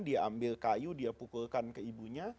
dia ambil kayu dia pukulkan keibunya